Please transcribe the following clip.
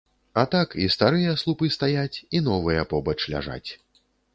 А так, і старыя слупы стаяць, і новыя побач ляжаць.